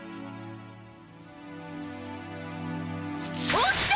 おっしゃ！